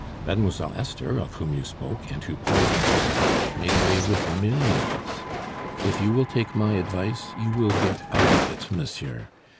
Mademoiselle Esther, of whom you spoke, and who poisoned herself, made away with millions. If you will take my advice, you will get out of it, monsieur.